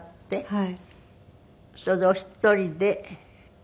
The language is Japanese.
はい。